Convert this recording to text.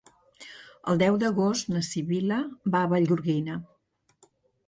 El deu d'agost na Sibil·la va a Vallgorguina.